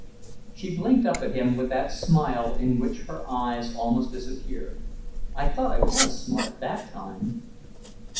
She blinked up at him with that smile in which her eyes almost disappeared. "I thought I was smart that time!"